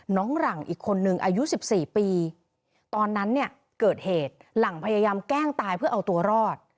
หลังอีกคนนึงอายุ๑๔ปีตอนนั้นเนี่ยเกิดเหตุหลังพยายามแกล้งตายเพื่อเอาตัวรอด